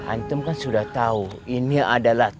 antem kan sudah tahu ini adalah